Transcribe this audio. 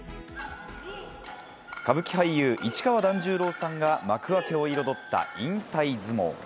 歌舞伎俳優、市川團十郎さんが幕開けを彩った引退相撲。